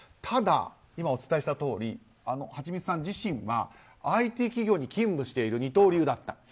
ただ、今お伝えしたとおりはちみつさん自身はＩＴ企業に勤務している二刀流だった。